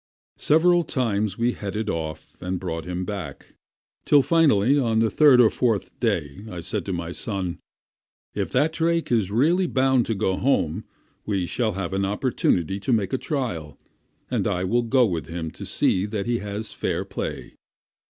Several times we headed him off and brought him back, till finally on the third or fourth day I said to my son, "If that drake is really bound to go home, he shall have an opportunity to make the trial, and I will go with him to see that he has fair play."